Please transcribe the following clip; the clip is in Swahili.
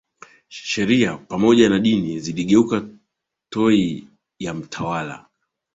sheria pamoja na dini ziligeuka toy ya mtawala